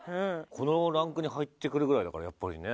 このランクに入ってくるぐらいだからやっぱりね